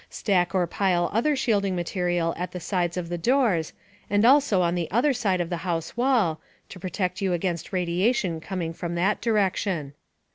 Stack or pile other shielding material at the sides of the doors, and also on the other side of the house wall (to protect you against radiation coming from that direction).